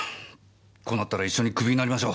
こうなったら一緒にクビになりましょう。